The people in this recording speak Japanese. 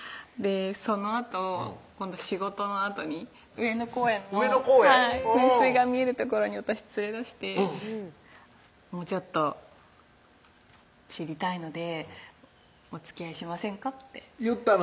そのあと仕事のあとに上野公園の噴水が見える所に私連れ出して「もうちょっと知りたいのでおつきあいしませんか？」って言ったの？